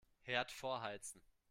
Herd vorheizen.